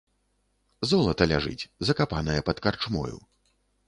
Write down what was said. Золата ляжыць, закапанае пад карчмою.